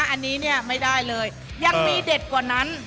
อันนี้เนี่ยไม่ได้เลยยังมีเด็ดกว่านั้น